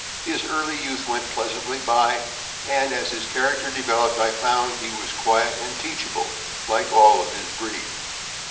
His early youth went pleasantly by, and, as his character developed, I found he was quiet and teachable, like all of his breed.